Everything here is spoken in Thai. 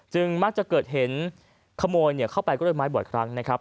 มักจะเกิดเห็นขโมยเข้าไปด้วยไม้บ่อยครั้งนะครับ